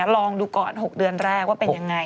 ลองดูก่อน๖เดือนแรกว่าเป็นยังไง